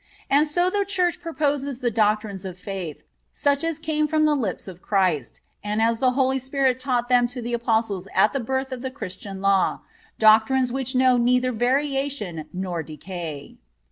And so the Church proposes the doctrines of faith, such as came from the lips of Christ, and as the Holy Spirit taught them to the Apostles at the birth of the Christian law—doctrines which know neither variation nor decay.